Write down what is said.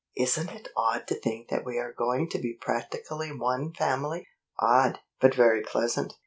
"Isn't it odd to think that we are going to be practically one family!" "Odd, but very pleasant."